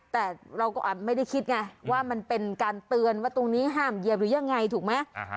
แต่เราก็ไม่ได้คิดไงว่ามันเป็นการเตือนว่าตรงนี้ห้ามเหยียบหรือยังไงถูกไหม